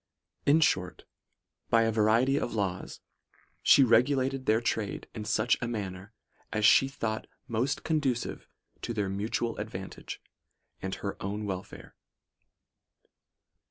In short, by a variety of laws, she regulated their trade in such a manner as she thought most conducive to their mu tual advantage and her own welfare.